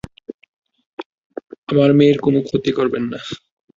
আমার মেয়ের কোন ক্ষতি করবেন না।